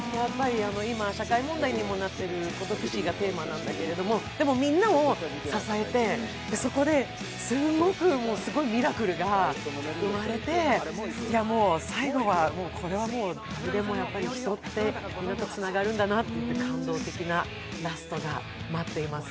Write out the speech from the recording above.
今、社会問題にもなっている孤独死がテーマなんだけれども、でもみんなを支えて、そこですごいミラクルが生まれて最後は人ってつながるんだなという、感動的なラストが待っています。